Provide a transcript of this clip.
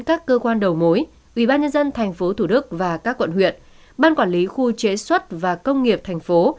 các cơ quan đầu mối ubnd tp thủ đức và các quận huyện ban quản lý khu chế xuất và công nghiệp thành phố